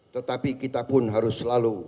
tetapi kita pun harus selalu